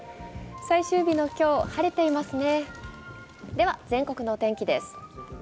最終日の今日、晴れていますね。